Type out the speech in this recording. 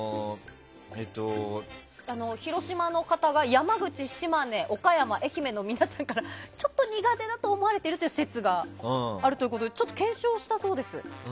広島の方は山口、島根、岡山、愛媛の皆さんからちょっと苦手だと思われているという説があるということで検証したそうです。